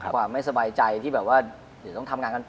ความไม่สบายใจที่แบบว่าเดี๋ยวต้องทำงานกันต่อ